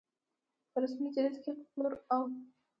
په رسمي جریده کې خپور او